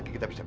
ibu kenapa bu